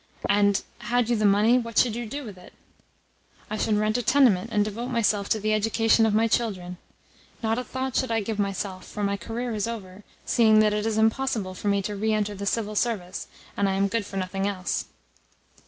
"And, had you the money, what should you do with it?" "I should rent a tenement, and devote myself to the education of my children. Not a thought should I give to myself, for my career is over, seeing that it is impossible for me to re enter the Civil Service and I am good for nothing else."